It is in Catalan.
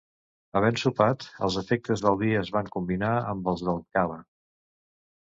Havent sopat, els efectes del vi es van combinar amb els del cava.